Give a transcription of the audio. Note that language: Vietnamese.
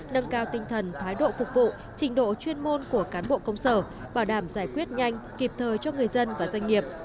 nâng cao tinh thần thái độ phục vụ trình độ chuyên môn của cán bộ công sở bảo đảm giải quyết nhanh kịp thời cho người dân và doanh nghiệp